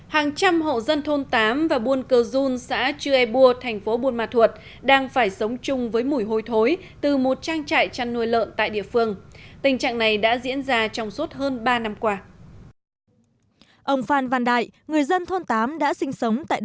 hàng trăm hộ dân thôn tám và buôn cơ dung xã chư e bua thành phố buôn ma thuột đang phải sống chung với mùi hôi thối từ một trang trại chăn nuôi lợn tại địa phương tình trạng này đã diễn ra trong suốt hơn ba năm qua